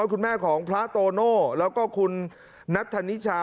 คุณแม่ของพระโตโน่แล้วก็คุณนัทธนิชา